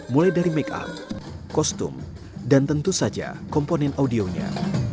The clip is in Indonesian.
mulai dari make up kostum dan tentu saja komponen audionya